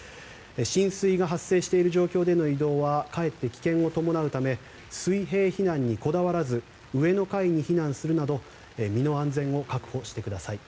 浸水が発生している状況での移動はかえって危険を伴うため水平避難にこだわらず上の階に避難するなど身の安全を確保してください。